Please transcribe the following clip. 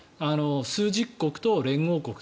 枢軸国と連合国。